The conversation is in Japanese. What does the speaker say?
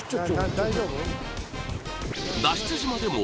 大丈夫？